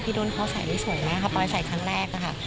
พี่นุ่นเขาใส่ไม่สวยมากปลอยใส่ครั้งแรกค่ะ